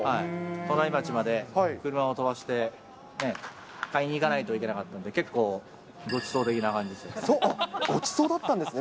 隣町まで車を飛ばして買いに行かないといけなかったんで、結構、ごちそう的な感じでしたね。